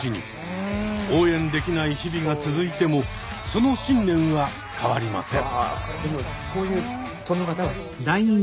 応援できない日々が続いてもその信念は変わりません。